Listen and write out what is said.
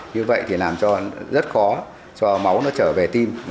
như vậy làm rất khó cho máu trở về tim